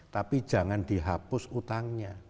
tapi jangan dihapus utangnya